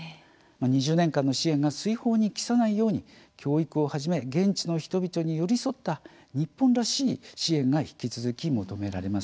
２０年間の支援が水泡に帰さないように教育をはじめ、現地の人々に寄り添った日本らしい支援が引き続き求められます。